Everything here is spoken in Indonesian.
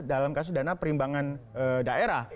dalam kasus dana perimbangan daerah